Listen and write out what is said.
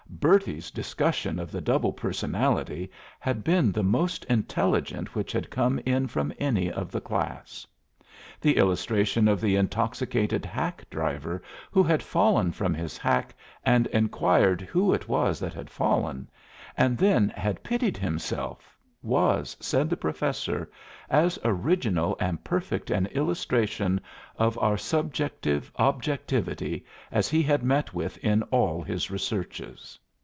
Bertie's discussion of the double personality had been the most intelligent which had come in from any of the class. The illustration of the intoxicated hack driver who had fallen from his hack and inquired who it was that had fallen, and then had pitied himself, was, said the Professor, as original and perfect an illustration of our subjective objectivity as he had met with in all his researches.